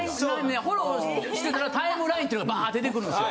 フォローしてたらタイムラインっていうのがバァ出てくるんですよ。